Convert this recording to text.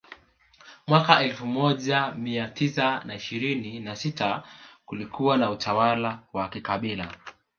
Mwaka elfu moja mia tisa na ishirini na sita kulikuwa na utawala wa kikabila